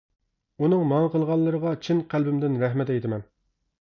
ئۇنىڭ ماڭا قىلغانلىرىغا چىن قەلبىمدىن رەھمەت ئېيتىمەن.